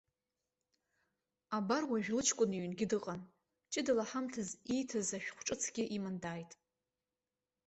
Абар уажә лыҷкәын иҩнгьы дыҟан, ҷыдала ҳамҭас ииҭаз ашәҟәҿыцгьы иман дааит.